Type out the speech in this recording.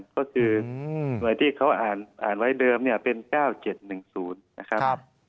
ก็คือหน่วยที่เขาอ่านไว้เดิมเนี่ยเป็น๙๗๑๐นะครับ